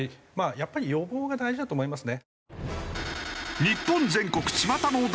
やっぱり予防が大事だと思いますね。